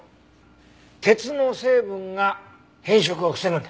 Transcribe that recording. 鉄の成分が変色を防ぐんだ。